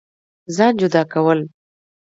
ځان جدا كول